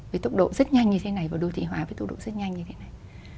với tốc độ rất nhanh như thế này và đô thị hóa với tốc độ rất nhanh như thế này